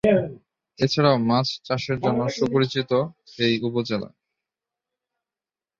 এছাড়াও মাছ চাষের জন্য সুপরিচিত এই উপজেলা।